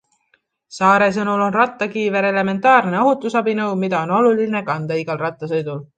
Saare sõnul on rattakiiver elementaarne ohutusabinõu, mida on oluline kanda igal rattasõidul.